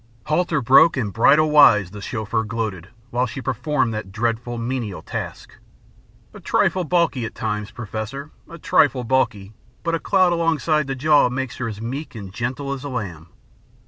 "'Halter broke and bridle wise,' the Chauffeur gloated, while she performed that dreadful, menial task. 'A trifle balky at times, Professor, a trifle balky; but a clout alongside the jaw makes her as meek and gentle as a lamb.'